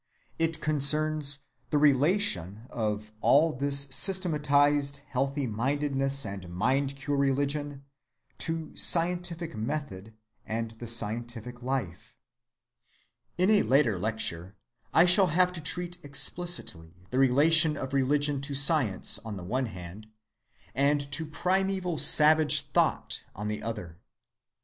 It concerns the relation of all this systematized healthy‐mindedness and mind‐cure religion to scientific method and the scientific life. ‐‐‐‐‐‐‐‐‐‐‐‐‐‐‐‐‐‐‐‐‐‐‐‐‐‐‐‐‐‐‐‐‐‐‐‐‐ In a later lecture I shall have to treat explicitly of the relation of religion to science on the one hand, and to primeval savage thought on the other.